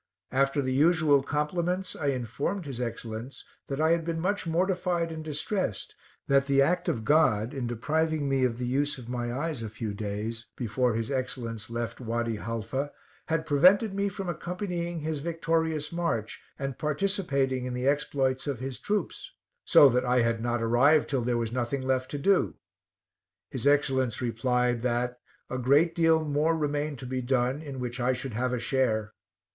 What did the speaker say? After the usual compliments, I informed his Excellence that I had been much mortified and distressed, that the act of God, in depriving me of the use of my eyes a few days before his Excellence left Wady Halfa, had prevented me from accompanying his victorious march, and participating in the exploits of his troops; so that I had not arrived till there was nothing left to do. His Excellence replied that a "great deal more remained to be done, in which I should have a share."